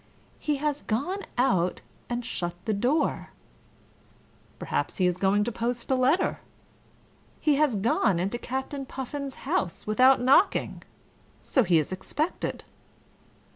... "He has gone out and shut the door. ... (Perhaps he is going to post a letter.) ... He has gone into Captain Puffin's house without knocking. So he is expected."